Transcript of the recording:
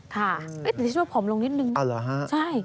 ค่ะแต่ฉันว่าผอมลงนิดหนึ่งใช่อ้าวเหรอฮะ